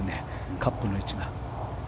カップの位置が。